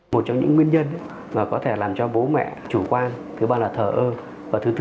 đang nói dối loạn học tập có thể để lại nhiều ảnh hưởng lâu dài